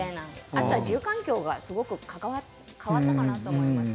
あと住環境がすごい変わったかなと思います。